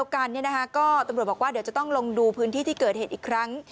ก็ตำรวจบอกว่าเดี๋ยวจะต้องลงดูพื้นที่ที่เกิดเหตุอีกครั้ง